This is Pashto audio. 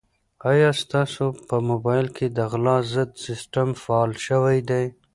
آیا ستاسو په موبایل کې د غلا ضد سیسټم فعال شوی دی؟